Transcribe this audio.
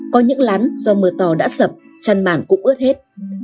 có những lán do mưa to đã sập chăn màn cũng ướt hết